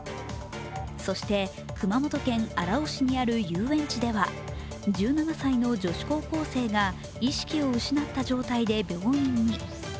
そして熊本県荒尾市にある遊園地では１７歳の女子高校生が意識を失った状態で病院に。